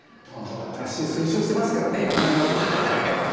私推奨してますからねやらないわけにいかないということで。